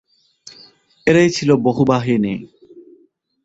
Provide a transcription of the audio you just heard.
এরাই ছিল বহু বাহিনী।